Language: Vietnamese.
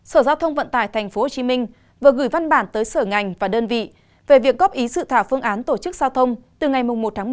sở giao thông vận tải tp hcm vừa gửi văn bản tới sở ngành và đơn vị về việc góp ý sự thảo phương án tổ chức giao thông từ ngày một một mươi